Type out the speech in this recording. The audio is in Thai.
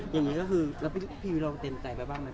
อย่างนี้ก็คือแล้วพี่วิลองเต็มใจไปบ้างไหม